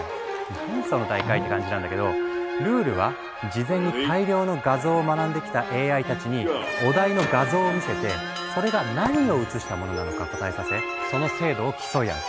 何その大会って感じなんだけどルールは事前に大量の画像を学んできたＡＩたちにお題の画像を見せてそれが何を写したものなのか答えさせその精度を競い合う。